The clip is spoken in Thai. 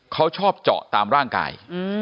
เขาชอบเจาะตามร่างกาย